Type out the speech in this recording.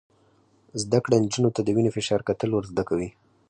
زده کړه نجونو ته د وینې فشار کتل ور زده کوي.